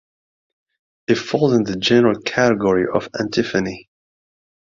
It falls in the general category of antiphony.